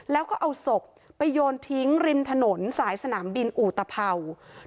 แล้วก็เอาศพไปโยนทิ้งริมถนนสายสนามบินอุตภัวร์